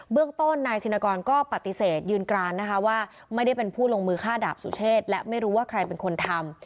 เรื่องต้นนายชินกรก็ปฏิเสธยืนกรานนะคะว่าไม่ได้เป็นผู้ลงมือฆ่าดาบสุเชษและไม่รู้ว่าใครเป็นคนทำ